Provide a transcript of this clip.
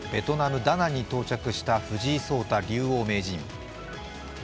ベトナム・ダナンに到着した藤井聡太